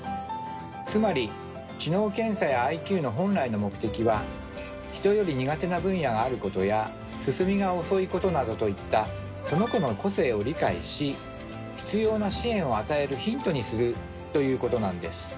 つまり知能検査やＩＱの本来の目的は人より苦手な分野があることや進みが遅いことなどといったその子の個性を理解し必要な支援を与えるヒントにするということなんです。